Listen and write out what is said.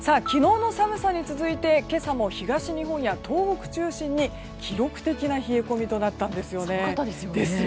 昨日の寒さに続いて今朝も東日本や東北を中心に記録的な冷え込みとなったんですよね。